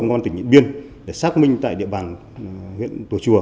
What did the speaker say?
với công an tỉnh điền biên để xác minh tại địa bàn huyện tùa chùa